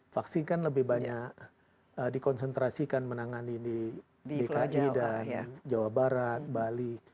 vaksin kan lebih banyak dikonsentrasikan menangani di dki dan jawa barat bali